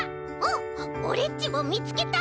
「あっオレっちもみつけた！